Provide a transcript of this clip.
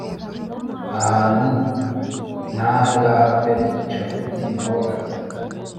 ahantu nkahangaha pe! japhet nawe ati